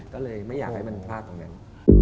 ก็เลยไม่อยากให้มันพลาดตรงนั้น